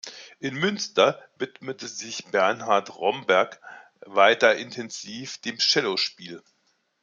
In Münster widmete sich Bernhard Romberg weiter intensiv dem Cellospiel.